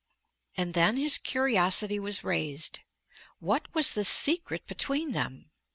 And then his curiosity was raised. What was the secret between them?